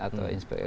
atau lapor ke kpk